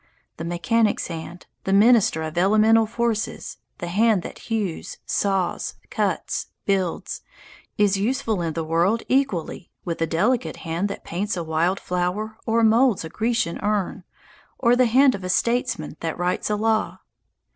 The mechanic's hand, that minister of elemental forces, the hand that hews, saws, cuts, builds, is useful in the world equally with the delicate hand that paints a wild flower or moulds a Grecian urn, or the hand of a statesman that writes a law.